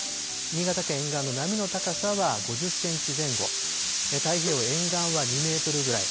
新潟県沿岸、波の高さは５０センチ前後、太平洋沿岸は２メートルぐらい。